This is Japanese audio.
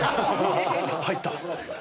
入った。